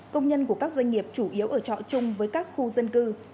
công nhân của các doanh nghiệp chủ yếu ở trọ chung với các khu dân cư